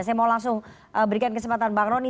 saya mau langsung berikan kesempatan bang roni